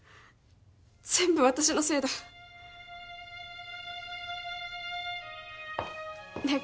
全部私のせいだねえ